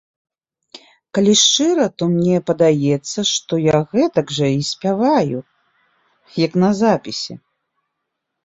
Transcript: Калі шчыра, то мне падаецца, што я гэтак жа і спяваю, як на запісе.